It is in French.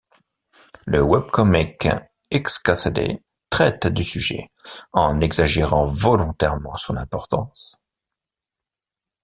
Le webcomic xkcd traite du sujet, en exagérant volontairement son importance.